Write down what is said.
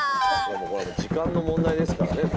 これはもう時間の問題ですからね